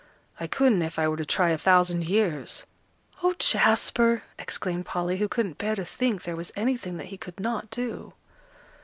"I couldn't if I were to try a thousand years." "Oh, Jasper!" exclaimed Polly, who couldn't bear to think there was anything that he could not do.